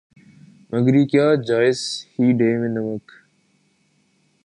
مگر یہ کیا جیس ہی ڈے میں نمک